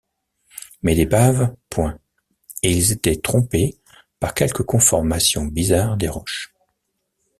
Mais d’épave, point, et ils étaient trompés par quelque conformation bizarre des roches.